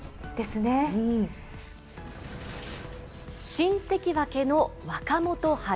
新関脇の若元春。